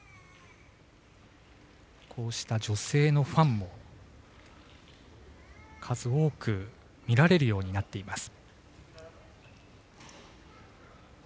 こうした女性のファンも数多く見られるようになっています。